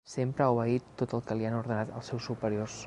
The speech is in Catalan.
Sempre ha obeït tot el que li han ordenat els seus superiors.